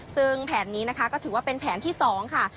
ซึ่งแผนนี้นะคะก็ถือว่าเป็นแผนที่๒ค่ะ